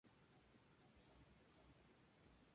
Basilea dispone de tres estaciones de ferrocarril.